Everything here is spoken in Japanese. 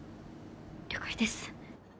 了解です。